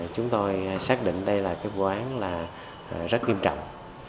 chúng tôi xác định đây là cái vụ án rất nghiêm trọng